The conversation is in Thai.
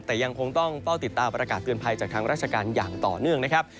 แต่ยังคงต้องเฝ้าติดตามประกาศเตือนภัยจากทางราชการอย่างต่อเนื่องนะครับ